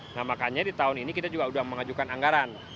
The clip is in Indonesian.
nah makanya di tahun ini kita juga sudah mengajukan anggaran